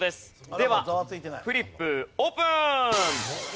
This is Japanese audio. ではフリップオープン！